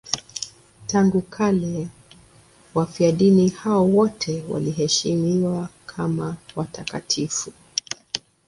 Tangu kale wafiadini hao wote wanaheshimiwa kama watakatifu.